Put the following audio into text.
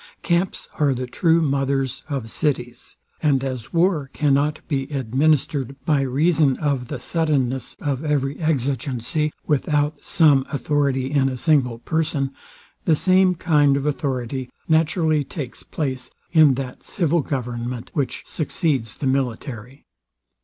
Camps are the true mothers of cities; and as war cannot be administered, by reason of the suddenness of every exigency, without some authority in a single person, the same kind of authority naturally takes place in that civil government, which succeeds the military.